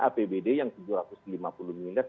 apbd yang tujuh ratus lima puluh miliar